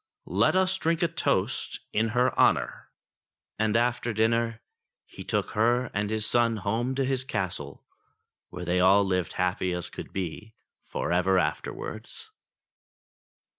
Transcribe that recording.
Let us drink a toast in her honour." And after dinner he took her and his son home to his castle, where they all lived as happy as could be for ever afterwards.